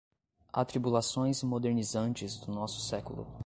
Atribulações modernizantes do nosso século